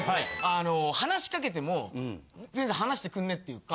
あの話しかけても全然話してくんねえっていうか。